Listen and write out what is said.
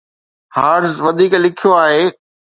Hertz وڌيڪ لکيو آهي